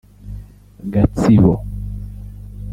Gatsibo